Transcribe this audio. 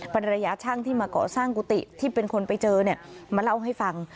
ภรรยาช่างที่มาก่อสร้างกุฏิที่เป็นคนไปเจอเนี่ยมาเล่าให้ฟัง